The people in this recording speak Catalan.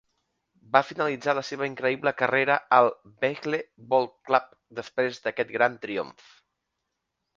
Va finalitzar la seva increïble carrera al Vejle Boldklub després d'aquest gran triomf.